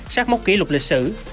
sát móc kỷ lục lịch sử